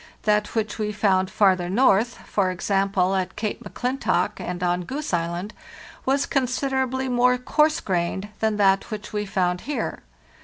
That which we found farther north — for example, at Cape M'Clintock and on Goose [sland—was considerably more coarse grained than that which we found here.